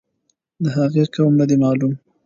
د هغې قوم نه دی معلوم.